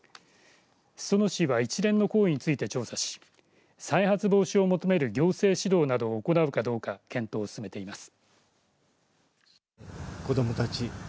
裾野市は一連の行為について調査し再発防止を求める行政指導などを行うかどうか検討を進めています。